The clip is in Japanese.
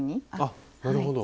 あなるほど。